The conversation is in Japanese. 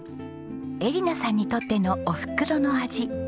恵梨奈さんにとってのおふくろの味